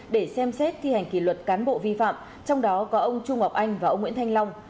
để xem xét thi hành kỷ luật cán bộ vi phạm trong đó có ông trung ngọc anh và ông nguyễn thanh long